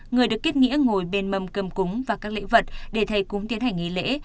người được kết nghĩa ngồi bên mâm cơm cúng và các lễ vật để thầy cúng tiến hành nghỉ lễ